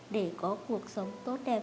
để có cuộc sống tốt đẹp hơn